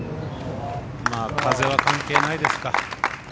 まあ、風は関係ないですか。